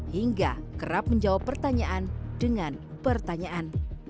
hingga kerap menjawab pertanyaan dengan pertanyaan